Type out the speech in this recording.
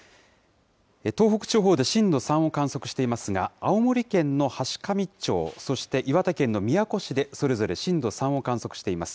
東北地方で震度３を観測していますが、青森県の階上町、そして岩手県の宮古市で、それぞれ震度３を観測しています。